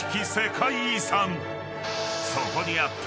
［そこにあった］